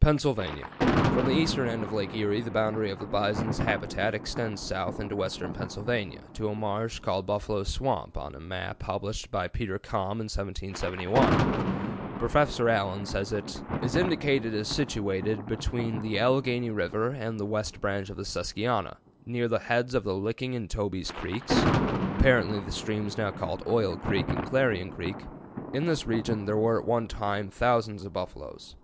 PENNSYLVANIA. From the eastern end of Lake Erie the boundary of the bison's habitat extends south into western Pennsylvania, to a marsh called Buffalo Swamp on a map published by Peter Kalm in 1771. Professor Allen says it "is indicated as situated between the Alleghany River and the West Branch of the Susquehanna, near the heads of the Licking and Toby's Creeks (apparently the streams now called Oil Creek and Clarion Creek)." In this region there were at one time thousands of buffaloes.